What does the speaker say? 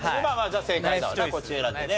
じゃあ正解だわなこっち選んでね。